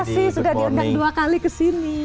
terima kasih sudah diangkat dua kali ke sini